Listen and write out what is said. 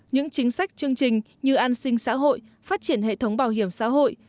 những chính sách chương trình như an sinh xã hội phát triển hệ thống bảo hiểm xã hội